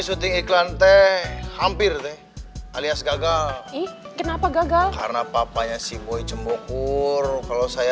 butik iklan teh hampir archie gagal ih kenapa gagal karena papanya vuci boku ruruk kalau saya